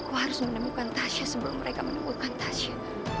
aku harus menemukan tasya sebelum mereka menemukan tasya